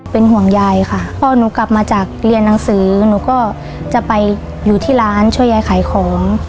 เป็นห่วงยายค่ะพอหนูกลับมาจากเรียนหนังสือหนูก็จะไปอยู่ที่ร้านช่วยยายขายของ